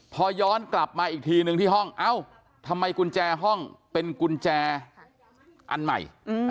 พอย้อนกลับมาอีกทีนึงที่ห้องเอ้าทำไมกุญแจห้องเป็นกุญแจอันใหม่